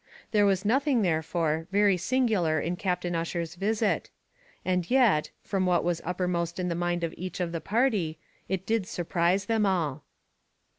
There was nothing, therefore, very singular in Captain Ussher's visit; and yet, from what was uppermost in the mind of each of the party, it did surprise them all.